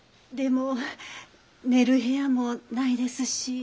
でも寝る部屋もないですし。